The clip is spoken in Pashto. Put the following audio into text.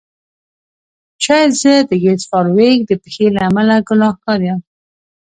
شاید زه د ګس فارویک د پیښې له امله ګناهګار یم